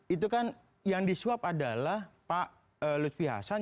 itu kan yang disuap adalah pak lutfi hasan